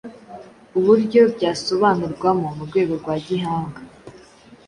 uburyo byasobanurwamo mu rwego rwa gihanga.